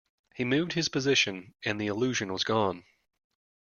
He moved his position, and the illusion was gone.